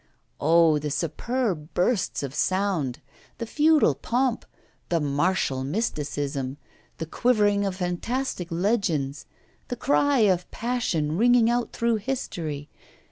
Oh! the superb bursts of sound, the feudal pomp, the martial mysticism, the quivering of fantastic legends, the cry of passion ringing out through history!